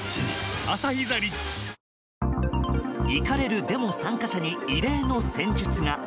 怒れるデモ参加者に異例の戦術が。